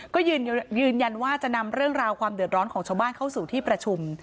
ก็ยืนยันว่าจะนำเรื่องราวความเดือดร้อนของชาวบ้านเข้าสู่ที่ประชุม